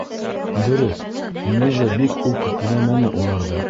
Дөрөҫ, Линиза бик үк өнәмәне уларҙы.